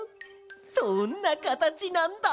どんなかたちなんだ？